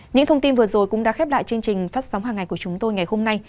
những thông tin vừa rồi cũng đã khép lại chương trình phát sóng hàng ngày của chúng tôi ngày hôm nay